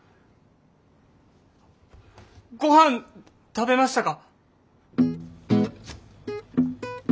ごはん食べましたか？